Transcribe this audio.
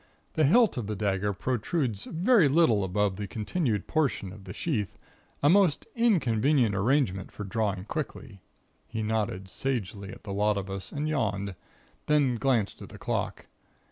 The hilt of the dagger protrudes very little above the continued portion of the sheath a most inconvenient arrangement for drawing quickly!" He nodded sagely at the lot of us and yawned, then glanced at the clock.